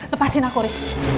lepaskan aku riri